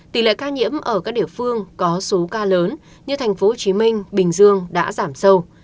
tỷ lệ ca nhiễm ở các địa phương có số ca lớn như tp hcm bình dương đã giảm sâu